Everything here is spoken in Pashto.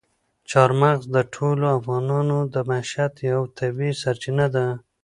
چار مغز د ټولو افغانانو د معیشت یوه طبیعي سرچینه ده.